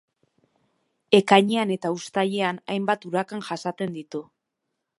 Ekainean eta uztailean hainbat urakan jasaten ditu.